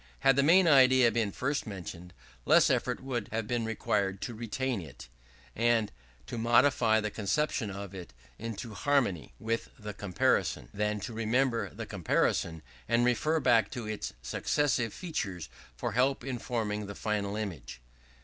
Had the main idea been first mentioned, less effort would have been required to retain it, and to modify the conception of it into harmony with the comparison, than to remember the comparison, and refer back to its successive features for help in forming the final image.